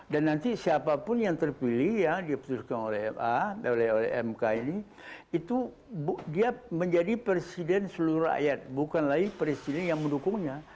dan nanti siapapun yang terpilih ya diputuskan oleh ma oleh mk ini itu dia menjadi presiden seluruh rakyat bukan lagi presiden yang mendukungnya